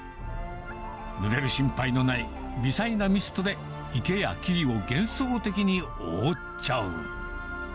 ぬれる心配のない微細なミストで、池や木々を幻想的に覆っちゃう。